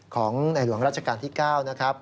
ของในหลวงราชการที่๙นะครับ